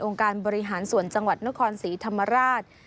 การบริหารส่วนจังหวัดนครศรีธรรมราช